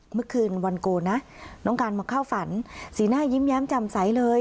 เมื่อคืนวันโกนนะน้องการมาเข้าฝันสีหน้ายิ้มแย้มจำใสเลย